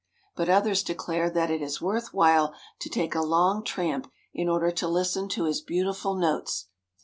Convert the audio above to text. But others declare that it is worth while to take a long tramp in order to listen to his beautiful notes.